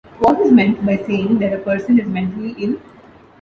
What was meant by saying that a person is mentally ill?